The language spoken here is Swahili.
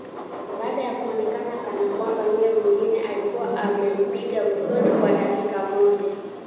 Baada ya kuonekana kana kwamba yule mwingine alikuwa amempiga usoni kwa dakika moja